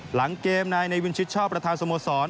หลังเกมในนายวินชิชอพประธาสมสร